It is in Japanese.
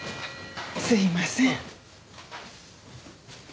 すいません。